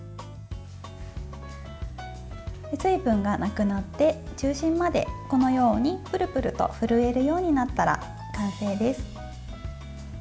水分がなくなって中心までこのようにプルプルと震えるようになったら完成です。